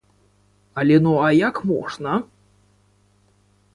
Але ну а як можна?